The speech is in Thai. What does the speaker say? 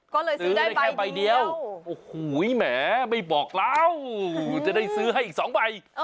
ก็เลยซื้อได้แค่ใบเดียวโอ้โหแหมไม่บอกเราจะได้ซื้อให้อีก๒ใบ